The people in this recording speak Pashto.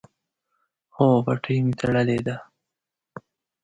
هو، پټۍ می تړلې ده